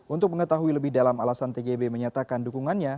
untuk mengetahui lebih dalam alasan tgb menyatakan dukungannya